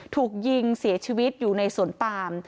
ถูกยิงเสียชีวิตอยู่ในสวนปาม